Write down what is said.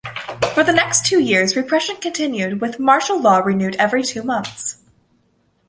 For the next two years, repression continued, with martial law renewed every two months.